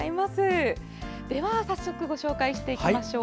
では早速ご紹介していきましょう。